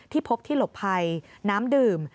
พบที่หลบภัยน้ำดื่ม